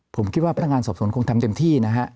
ผมคิดว่าพนักงานสอบสวนคงทำเต็มที่นะฮะ